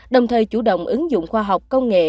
đồng thời chủ động ứng dụng khoa học công nghệ